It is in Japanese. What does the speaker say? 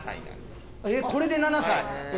えっこれで７歳？